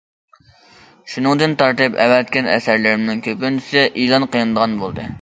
شۇندىن تارتىپ ئەۋەتكەن ئەسەرلىرىمنىڭ كۆپىنچىسى ئېلان قىلىنىدىغان بولدى.